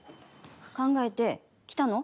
考えて、着たの？